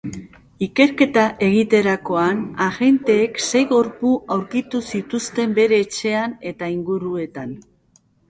Ikerketa egiterakoan, agenteek sei gorpu aurkitu zituzten bere etxean eta inguruetan.